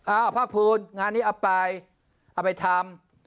อ้าวภาคภูมิงานนี้เอาไปทำ